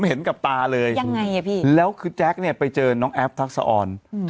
เอ้าลูกช้ากลม